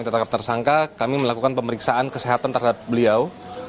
tetap tersangka kami melakukan pemeriksaan kesehatan terhadap beliau